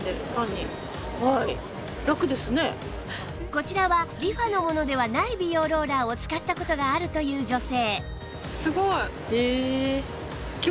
こちらはリファのものではない美容ローラーを使った事があるという女性